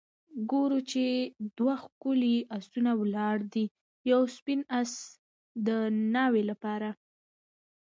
ګورو چې دوه ښکلي آسونه ولاړ دي ، یو سپین آس د ناوې لپاره